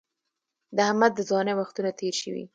د احمد د ځوانۍ وختونه تېر شوي